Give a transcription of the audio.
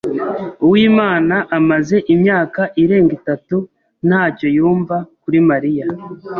Uwimana amaze imyaka irenga itatu ntacyo yumva kuri Mariya.